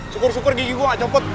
syukur syukur gigi gue gak copot